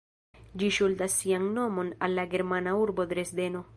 Ĝi ŝuldas sian nomon al la germana urbo Dresdeno.